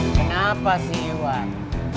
kenapa sih iwan